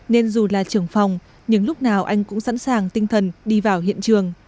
nên dù là trưởng phòng nhưng lúc nào anh cũng sẵn sàng tinh thần đi vào hiện trường